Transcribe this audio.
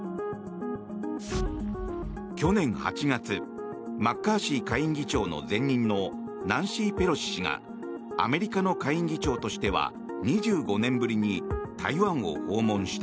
去年８月マッカーシー下院議長の前任のナンシー・ペロシ氏がアメリカの下院議長としては２５年ぶりに台湾を訪問した。